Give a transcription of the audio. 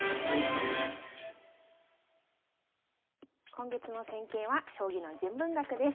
今月の戦型は将棋の純文学です。